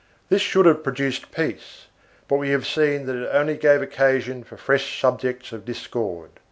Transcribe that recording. This should have produced peace but we have seen that it only gave occasion for fresh subjects of discord.